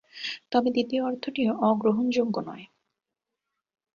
তবে দ্বিতীয় অর্থটিও অগ্রহণযোগ্য নয়।